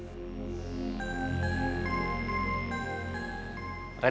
akhirnya dapat diputarkan polisi ke bijak